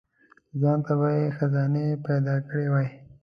ځانته به یې خزانې پیدا کړي وای.